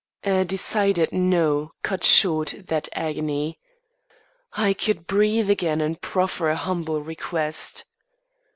A decided "No," cut short that agony. I could breathe again and proffer a humble request.